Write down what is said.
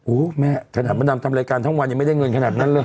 โอ้โหแม่ขนาดมะดำทำรายการทั้งวันยังไม่ได้เงินขนาดนั้นเลย